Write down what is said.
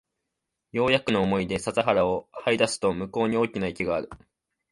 ようやくの思いで笹原を這い出すと向こうに大きな池がある